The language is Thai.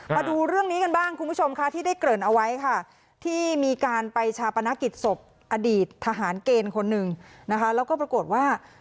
มาดูเรื่องนี้กันบ้างคุณผู้ชมค่ะที่ได้เกริ่นเอาไว้ค่ะที่มีการไปชาปนกิจศพอดีตทหารเกณฑ์คนหนึ่งนะคะแล้วก็ปรากฏว่า